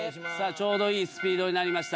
ちょうどいいスピードになりました